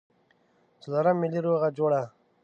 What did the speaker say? څلورم ملي روغه جوړه.